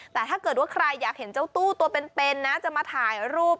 แต่ถ้าเกิดว่าใครอยากเห็นเจ้าตู้ตัวเป็นนะจะมาถ่ายรูป